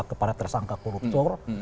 kepada tersangka koruptor